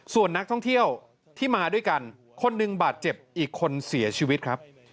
ส่วนนักท่องเที่ยวที่มาด้วยกันคนหนึ่งบาดเจ็บอีกคนเสียชีวิตครับ